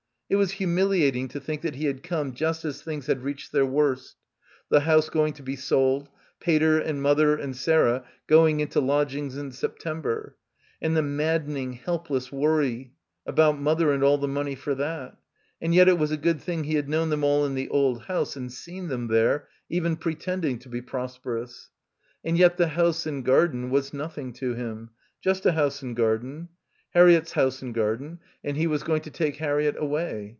It was humiliating to think that he had come just as things had reached their worst, the house going to be sold, Pater and mother and Sarah going into lodgings in Septem ber, and the maddening helpless worry about mother and all the money for that. And yet it — 218 — BACKWATER was a good thing he had known them all in the old house and seen them there, even pretending to be prosperous. And yet the house and garden was nothing to him. Just a house and garden. Harriett's house and garden, and he was going to take Harriett away.